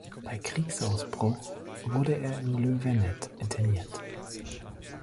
Bei Kriegsausbruch wurde er in Le Vernet interniert.